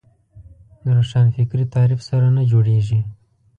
د روښانفکري تعریف سره نه جوړېږي